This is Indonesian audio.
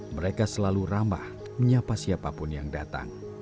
mereka selalu ramah menyapa siapapun yang datang